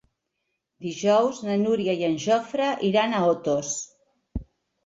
Dijous na Núria i en Jofre iran a Otos.